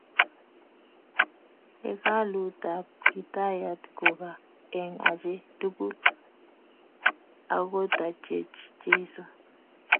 Hekalut ab Kiptayat ko gaa eng achek tugul akotachech Jeso